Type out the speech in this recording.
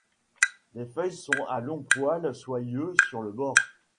Les feuilles sont à longs poils soyeux sur le bord.